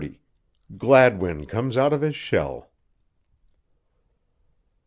GLADWIN COMES OUT OF HIS SHELL.